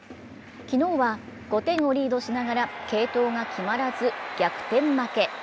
昨日は５点をリードしながら継投が決まらず、逆転負け。